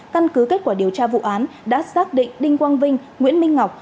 căn cứ kết quả điều tra vụ án đã xác định đinh quang vinh nguyễn minh ngọc